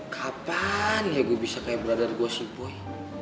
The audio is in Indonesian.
kapan ya gue bisa kayak brother gue sih boy